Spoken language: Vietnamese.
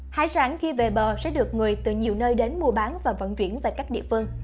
hải sản khi về bờ sẽ được người từ nhiều nơi đến mua bán và vận chuyển về các địa phương